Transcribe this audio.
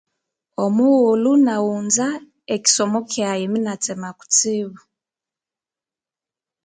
Omughulhu naghunza ekisomo kyaghe munatsema kutsibo